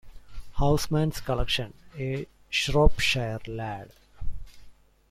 Housman's collection "A Shropshire Lad".